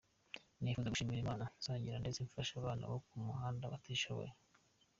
Nifuje gushimira Imana nsangira nsetse mfasha abana bo ku muhanda batishoboye.